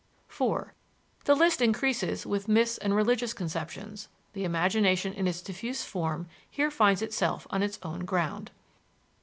(4) The list increases with myths and religious conceptions; the imagination in its diffuse form here finds itself on its own ground.